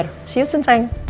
sampai jumpa lagi sayang